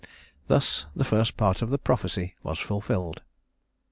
Thus the first part of the prophecy was fulfilled.